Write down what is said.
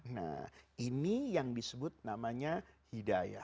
nah ini yang disebut namanya hidayah